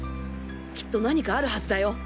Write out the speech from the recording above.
きっと何かあるはずだよ。